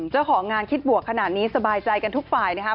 เจ้าของงานคิดบวกขนาดนี้สบายใจกันทุกฝ่ายนะครับ